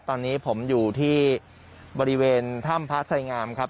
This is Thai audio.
ตอนนี้ผมอยู่ที่บริเวณถ้ำพระไสงามครับ